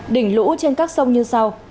đỉnh lũ trên các sông như sau